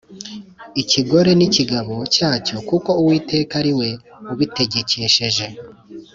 Ikigore ni ikigabo cyacyo kuko Uwiteka ari we ubitegekesheje